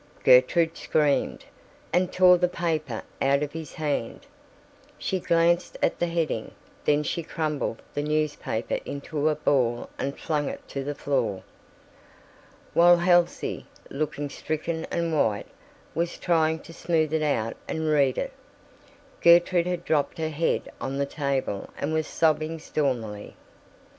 Gertrude screamed, and tore the paper out of his hand. She glanced at the heading, then she crumpled the newspaper into a ball and flung it to the floor. While Halsey, looking stricken and white, was trying to smooth it out and read it, Gertrude had dropped her head on the table and was sobbing stormily.